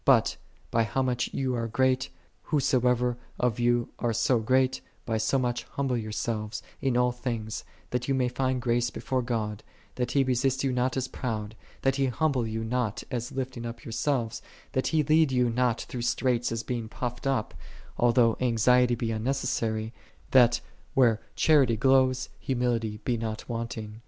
But, by how much ye are great, whosoever of you are so great, " by so much humble yourselves in all things, that ye may find grace before God," that He resist you not as proud, that He humble you not as lift ing up yourselves, that He lead you not through straits as being puffed up: although anxiety be tinnei • It, where Charity glows, humility be not wanting.